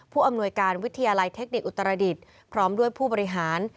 ผู้อำหน่วยการวิทยาลัยเทคนิคอุตรศักดิตคร้อมด้วยผู้บริหาร